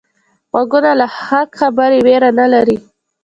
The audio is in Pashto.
غوږونه له حق خبرې ویره نه لري